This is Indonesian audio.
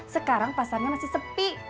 sekarang pasarnya masih sepi